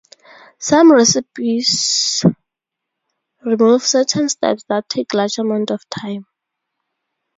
Some recipes remove certain steps that take large amounts of time.